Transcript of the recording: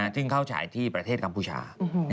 ซึ่งเข้าฉายที่ประเทศกัมพูชา